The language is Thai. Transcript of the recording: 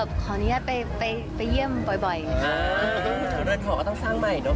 อาห์ตอนนั้นเขาต้องสร้างใหม่เนอะบ้านยาน